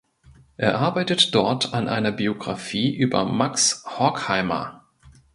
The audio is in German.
Er arbeitet dort an einer Biographie über Max Horkheimer.